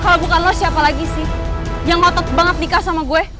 kalo bukan lo siapa lagi sih yang mau tetep banget nikah sama gue